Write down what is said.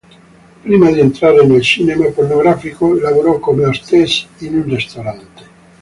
Prima di entrare nel cinema pornografico, lavorò come hostess in un ristorante.